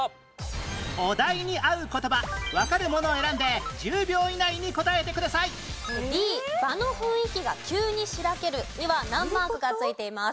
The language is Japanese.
お題に合う言葉わかるものを選んで１０秒以内に答えてくださいには難マークが付いています。